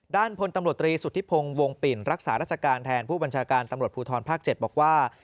พลตำรวจตรีสุธิพงศ์วงปิ่นรักษาราชการแทนผู้บัญชาการตำรวจภูทรภาค๗บอกว่า